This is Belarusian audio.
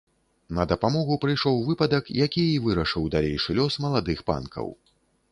На дапамогу прыйшоў выпадак, які і вырашыў далейшы лёс маладых панкаў.